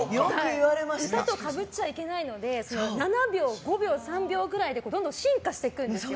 腕とかぶっちゃいけないので７秒、５秒３秒ぐらいでどんどん進化していくんですよ。